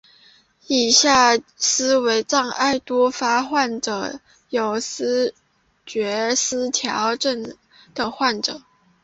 以上几种思维障碍多发于患有思觉失调症的患者。